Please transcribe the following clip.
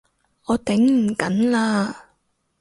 我頂唔緊喇！